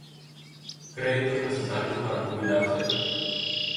Créditos necesarios para jubilarse